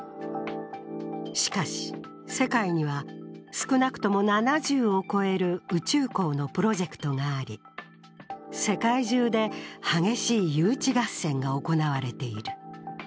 しかし、世界には少なくとも７０を超える宇宙港のプロジェクトがあり世界中で激しい誘致合戦が行われている。